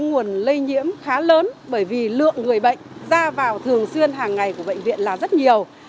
nguồn lây nhiễm khá lớn bởi vì lượng người bệnh ra vào thường xuyên hàng ngày của bệnh viện là rất nhiều